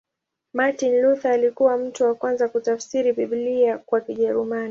Martin Luther alikuwa mtu wa kwanza kutafsiri Biblia kwa Kijerumani.